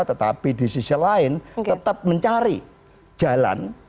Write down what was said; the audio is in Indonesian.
tetapi di sisi lain tetap mencari jalan